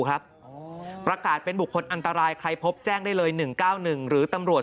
ครับประกาศเป็นบุคคลอันตรายใครพบแจ้งได้เลย๑๙๑หรือตำรวจ